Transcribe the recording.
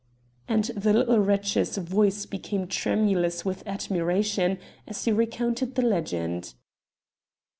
And the little wretch's voice became tremulous with admiration as he recounted the legend.